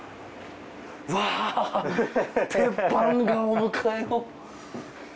うわ鉄板がお迎えを。